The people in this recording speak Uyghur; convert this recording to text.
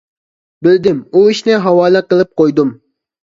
بىلدىم، ئۇ ئىشنى ھاۋالە قىلىپ قويدۇم.